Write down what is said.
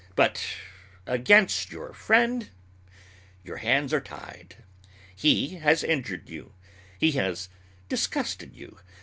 But against your friend your hands are tied. He has injured you. He has disgusted you.